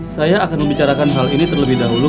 saya akan membicarakan hal ini terlebih dahulu